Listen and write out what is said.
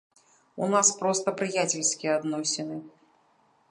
У нас проста прыяцельскія адносіны.